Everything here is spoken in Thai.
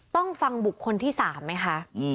ต้องฟังบุกคนที่สามไหมคะ